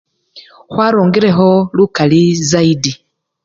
Khwarungilekho lukali zayidi.